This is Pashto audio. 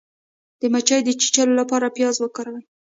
د مچۍ د چیچلو لپاره پیاز وکاروئ